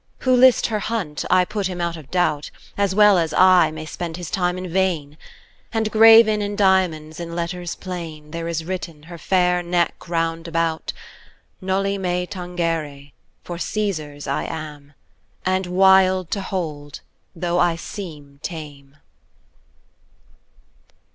Who list her hunt, I put him out of doubt, As well as I may spend his time in vain; And, graven in diamonds, in letters plain There is written her fair neck round about: "Noli me tangere,"* for Caesar's I am, [touch me not] And wild to hold, though I seem tame."